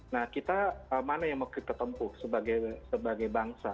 nah kita mana yang mungkin ketempuh sebagai bangsa